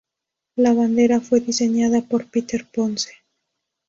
La Bandera fue diseñada por Peter Ponce.